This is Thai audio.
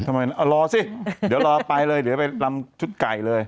รอสิเดี๋ยวรอไปเลยเดี๋ยวไปลำชุดไก่เลย